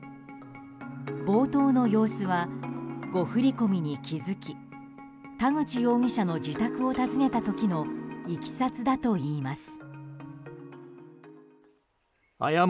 冒頭の様子は誤振り込みに気づき田口容疑者の自宅を訪ねた時のいきさつだといいます。